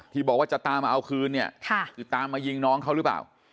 ที่บอกว่าจะตามมาเอาคืนเนี่ยคือตามมายิงน้องเขาหรือเปล่า